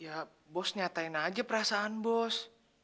ya bos nyatain aja perasaan bos